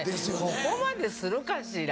ここまでするかしら？